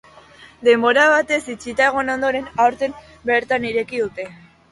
Denbora batez itxita egon ondoren, aurten bertan ireki dute.